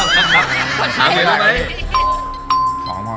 สองเหรียญนะครับ